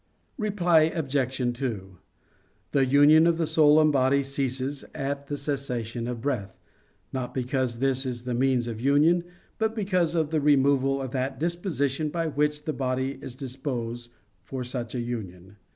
Reply Obj. 2: The union of soul and body ceases at the cessation of breath, not because this is the means of union, but because of the removal of that disposition by which the body is disposed for such a union.